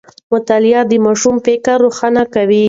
مطالعه د ماشوم فکر روښانه کوي.